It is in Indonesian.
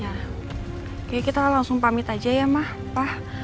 kayaknya kita langsung pamit aja ya ma pa